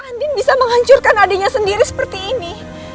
andin bisa menghancurkan adiknya sendiri seperti ini